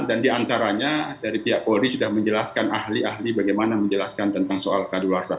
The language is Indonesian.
dan diantaranya dari pihak poli sudah menjelaskan ahli ahli bagaimana menjelaskan tentang soal keadaan luar saha